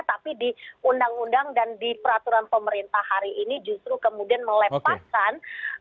tapi di undang undang dan di peraturan pemerintah hari ini justru kemudian melepaskan